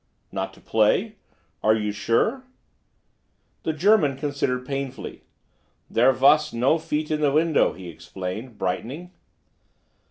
"Not to play? Are you sure?" The German considered painfully. "There vass no feet in the window," he explained, brightening.